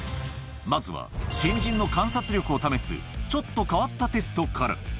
まずは、新人の観察力を試す、ちょっと変わったテストから。